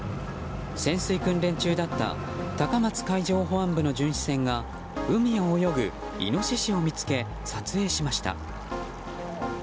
潜水訓練中だった高松海上保安部の巡視船が海を泳ぐイノシシを見つけ撮影しました。